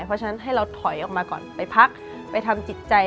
เพราะฉะนั้นให้เราถอยออกมาก่อนไปพักไปทำจิตใจ